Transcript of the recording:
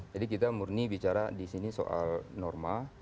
jadi kita murni bicara di sini soal norma